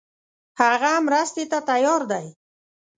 هغه مرستې ته تیار دی.